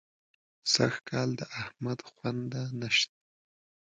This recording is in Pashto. سږکال د احمد خونده نه شته.